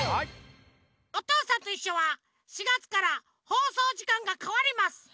「おとうさんといっしょ」は４がつからほうそうじかんがかわります。